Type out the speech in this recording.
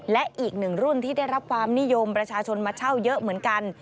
และอีกหนึ่งรุ่นที่ได้รับความนิยมประชาชนมาเช่าเยอะเหมือนกัน